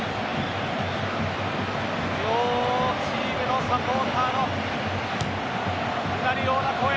両チームのサポーターのうなるような声。